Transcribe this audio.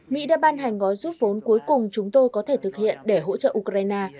mỹ đã ban hành gói rút vốn cuối cùng chúng tôi có thể thực hiện để hỗ trợ ukraine